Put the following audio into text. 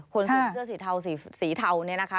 คนซื้อเสื้อสีเทาสีเทานะนะคะ